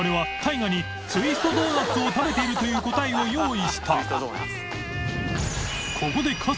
韮舛万ツイストドーナツを食べている」という答えを用意した磴海海能嫺